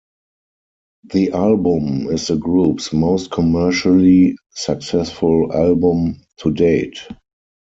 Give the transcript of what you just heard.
The album is the group's most commercially successful album to date.